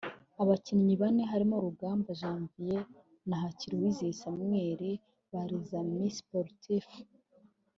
abakinnyi bane barimo Rugamba Janvier na Hakiruwizeye Samuel ba Les Amis Sportifs